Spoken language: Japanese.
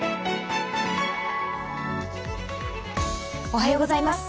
おはようございます。